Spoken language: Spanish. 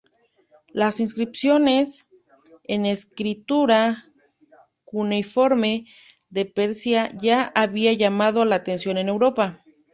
Las inscripciones en escritura cuneiforme de Persia ya habían llamado la atención en Europa.